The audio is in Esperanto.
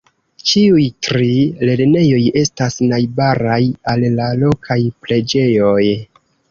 Ĉiuj tri lernejoj estas najbaraj al la lokaj preĝejoj.